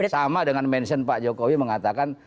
sama dengan mention pak jokowi mengatakan